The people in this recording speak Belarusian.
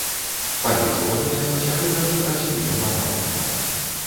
Палі чорныя з пасярэбраным раслінным арнаментам.